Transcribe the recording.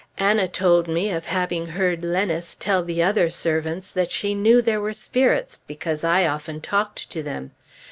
Anna told me of having heard Lennice telling the other servants that she knew there were spirits, because I often talked to them.